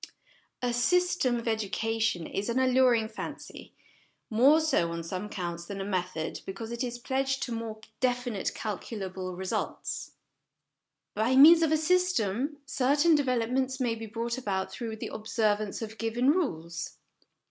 A ' system of education ' is an alluring fancy ; more so, on some counts, than a method, because it is pledged to more definite calculable results. By means of a system certain developments may be brought about through the observance of given rules.